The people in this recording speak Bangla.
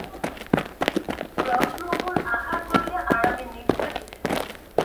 ব্রজমোহন আহার করিয়া আরামে নিদ্রা দিলেন।